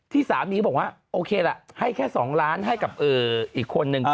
สามีก็บอกว่าโอเคล่ะให้แค่๒ล้านให้กับอีกคนนึง